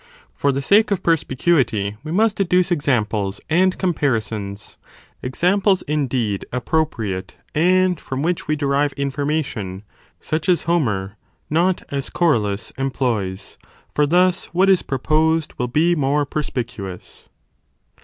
For the sake of perspicuity, we must adduce |, 5 τοὶ examples and comparisons ; examples indeed ap ana comipath propriate, and from which we derive information, *¥ for illus such as Homer, not as Cheerilus (employs),? for thus, what is proposed will be more perspicuous.